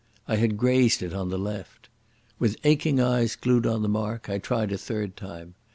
I had grazed it on the left. With aching eyes glued on the mark, I tried a third time.